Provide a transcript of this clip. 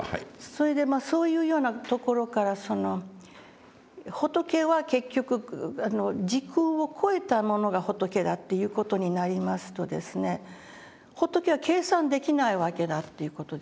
それでそういうようなところから仏は結局時空を超えたものが仏だっていう事になりますと仏は計算できないわけだという事ですよね。